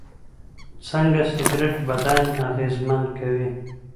څنګه سګریټ بدن اغېزمن کوي؟